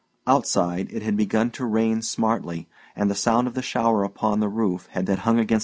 Outside, it had begun to rain smartly, and the sound of the shower upon the roof had banished silence.